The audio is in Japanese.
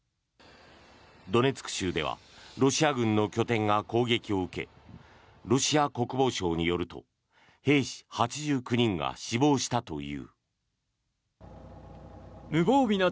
ドネツク州ではロシア軍の拠点が攻撃を受けロシア国防省によると兵士８９人が死亡したという。